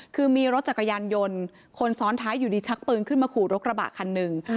คือมีรถจักรยานยนต์คนซ้อนท้ายอยู่ดีชักปืนขึ้นมาขู่รถกระบะคันหนึ่ง